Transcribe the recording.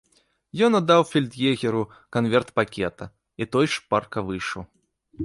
Ён аддаў фельд'егеру канверт пакета, і той шпарка выйшаў.